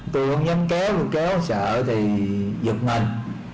tôi không dám kéo tôi kéo sợ thì giật mình